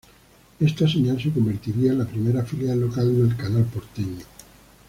Esta señal se convertiría en la primera filial local del canal porteño.